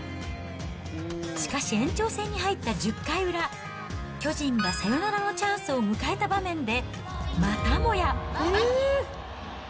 しかし延長戦に入った１０回裏、巨人がサヨナラのチャンスを迎えた場面で、またもや。